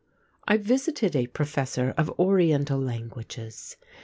I visited a professor of Oriental languages.